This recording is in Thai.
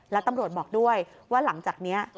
แล้วตำรวจบอกด้วยว่าหลังจากนี้